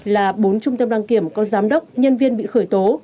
là bốn trung tâm đăng kiểm có giám đốc nhân viên bị khởi tố